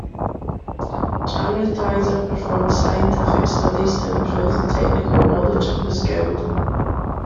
Jamnitzer performed scientific studies to improve the technical knowledge of his guild.